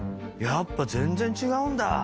やっぱ全然違うんだ。